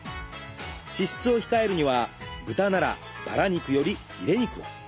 脂質を控えるには豚ならバラ肉よりヒレ肉を。